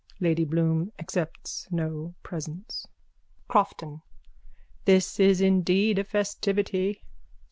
Lady Bloom accepts no presents. CROFTON: This is indeed a festivity.